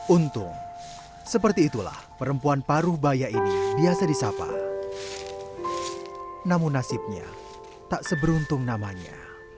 untung seperti itulah perempuan paruh bayak ini biasa disapa namun nasibnya tak seberuntung namanya